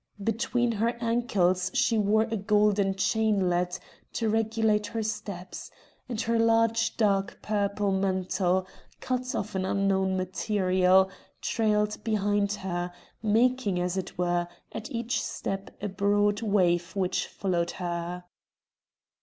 Between her ankles she wore a golden chainlet to regulate her steps, and her large dark purple mantle, cut of an unknown material, trailed behind her, making, as it were, at each step, a broad wave which followed her.